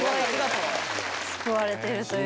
救われてるという。